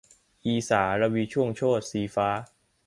อีสา-รวีช่วงโชติ - สีฟ้า